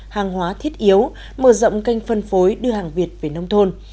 hàng hóa thiết yếu mở rộng kênh phân phối đưa hàng việt về nông thôn